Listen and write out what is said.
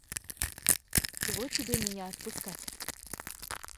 С чего тебе меня отпускать?